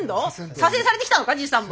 左遷されてきたのかじいさんも。